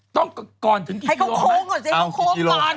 ต้องก่อนถึงกี่กิโลกรัมเอ้ากี่กิโล